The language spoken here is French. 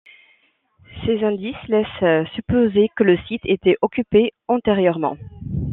Ces indices laissent supposer que le site était occupé antérieurement.